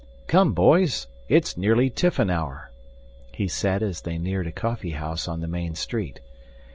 "Come, boys! It's nearly tiffin hour," he said as they neared a coffeehouse on the main street.